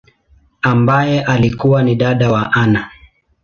ambaye alikua ni dada wa Anna.